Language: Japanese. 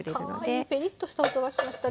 かわいいペリッとした音がしました。